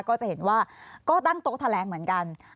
ก็จะเห็นว่าก็ตั้งโต๊ะแถลงเหมือนกัน